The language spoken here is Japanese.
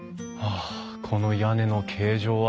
あこの屋根の形状は。